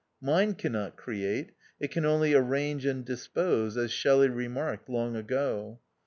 Mind cannot create; it can only arrange and dispose, as Shelley remarked long ago.